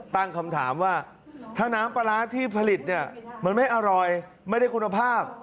ตั้งคำถามว่าถ้าน้ำปลาร้าที่ผลิตเนี่ยมันไม่อร่อยไม่ได้คุณภาพ